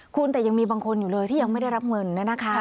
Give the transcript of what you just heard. คุณแต่ยังมีบางคนอยู่เลยที่ยังไม่ได้รับเงิน